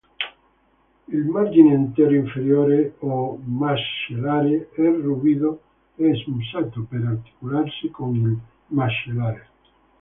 Il "margine antero-inferiore", o "mascellare" è ruvido e smussato, per articolarsi con il mascellare.